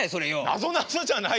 なぞなぞじゃないよお前。